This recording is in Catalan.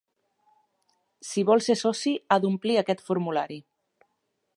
Si vol ser soci, ha d'omplir aquest formulari.